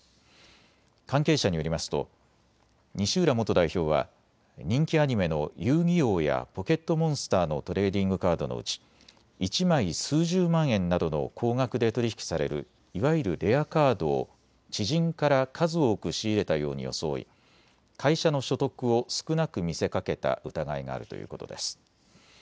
関係者によりますと西浦元代表は人気アニメの遊戯王やポケットモンスターのトレーディングカードのうち１枚数十万円などの高額で取り引きされるいわゆるレアカードを知人から数多く仕入れたように装い、会社の所得を少なく見せかけた疑いがあるということです。